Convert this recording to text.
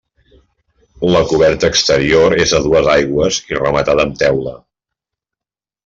La coberta exterior és a dues aigües i rematada amb teula.